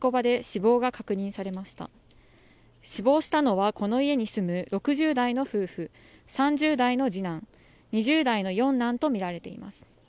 死亡したのはこの家に住む６０代の夫婦３０代の次男２０代の４男と見られています